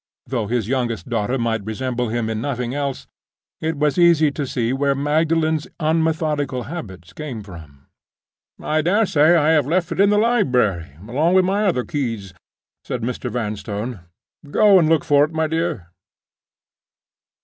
Though his youngest daughter might resemble him in nothing else, it was easy to see where Magdalen's unmethodical habits came from. "I dare say I have left it in the library, along with my other keys," said Mr. Vanstone. "Go and look for it, my dear."